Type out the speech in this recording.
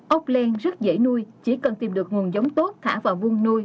ốc len rất dễ nuôi chỉ cần tìm được nguồn giống tốt thả vào vuông nuôi